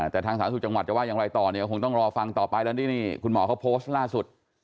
แต่ทางสาธารณสุขจังหวัดจะว่าอย่างไรต่อเนี่ยคงต้องรอฟังต่อไปแล้วนี่คุณหมอเขาโพสต์ล่าสุด